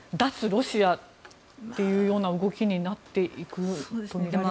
ロシアというような動きになっていくとみられますか。